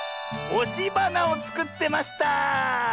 おしばなをつくってました！